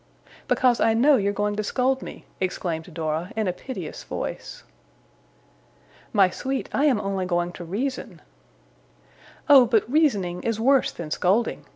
'Because I KNOW you're going to scold me,' exclaimed Dora, in a piteous voice. 'My sweet, I am only going to reason.' 'Oh, but reasoning is worse than scolding!